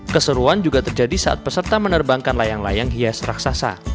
keseruan juga terjadi saat peserta menerbangkan layang layang hias raksasa